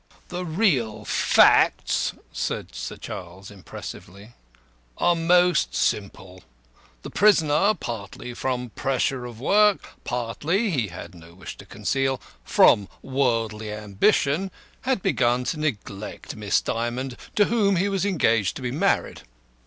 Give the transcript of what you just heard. "The real facts," said Sir Charles, impressively, "are most simple. The prisoner, partly from pressure of work, partly (he had no wish to conceal) from worldly ambition, had begun to neglect Miss Dymond, to whom he was engaged to be married.